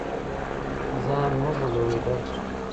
ځان مه غولوې ډارت